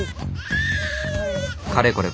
かれこれ